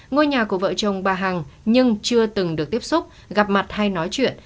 ngôi nhà của vợ chồng bà hằng nhưng chưa từng được tiếp xúc gặp mặt hay nói chuyện